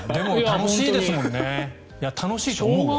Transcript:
楽しいと思う。